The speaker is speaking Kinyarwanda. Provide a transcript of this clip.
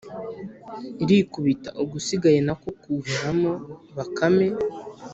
irikubita ugusigaye na ko guheramo. bakame